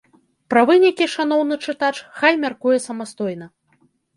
Пра вынікі шаноўны чытач хай мяркуе самастойна.